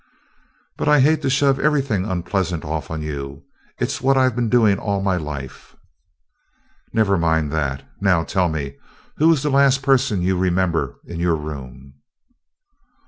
"But I hate to shove everything unpleasant off on you, It 's what I 've been doing all my life." "Never mind that. Now tell me, who was the last person you remember in your room?"